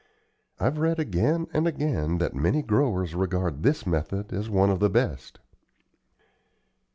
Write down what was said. I've read again and again that many growers regard this method as one of the best."